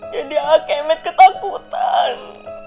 jadi akemet ketakutan